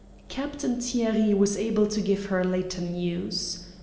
Captain Thierry was able to give her later news.